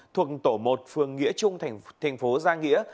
thuộc tổ một phường nghĩa trung thành phố gia nghĩa